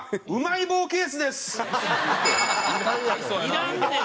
いらんねん